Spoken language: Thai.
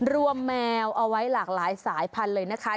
แมวเอาไว้หลากหลายสายพันธุ์เลยนะคะ